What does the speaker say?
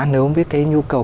nếu với cái nhu cầu